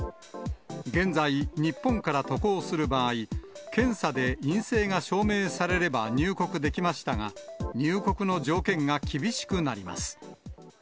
現在、日本から渡航する場合、検査で陰性が証明されれば入国できましたが、入国の条件が厳しくなります。